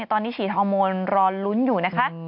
ตอนนี้ฉีดฮอร์โมนรอลุ้นอยู่นะคะ